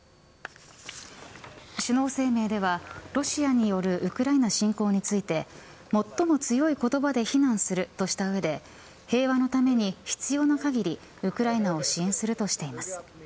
首脳声明ではロシアによるウクライナ侵攻について最も強い言葉で非難するとしたうえで平和のために必要な限りウクライナを支援するとしています。